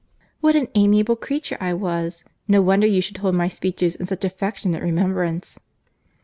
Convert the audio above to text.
"What an amiable creature I was!—No wonder you should hold my speeches in such affectionate remembrance."